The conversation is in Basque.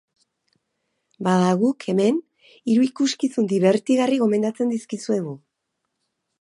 Bada, guk hemen hiru ikuskizun dibertigarri gomendatzen dizkizuegu.